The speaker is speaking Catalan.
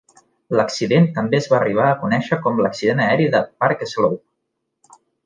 L'accident també es va arribar a conèixer com l'accident aeri de Park Slope.